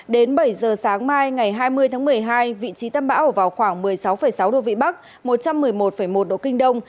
đến bảy giờ sáng mai ngày hai mươi tháng một mươi hai vị trí tâm bão ở vào khoảng một mươi sáu sáu độ vĩ bắc một trăm một mươi một một độ kinh đông